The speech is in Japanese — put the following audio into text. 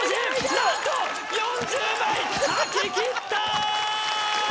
何と４０枚はききった！